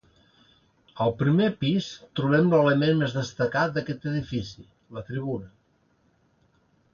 Al primer pis trobem l'element més destacat d'aquest edifici, la tribuna.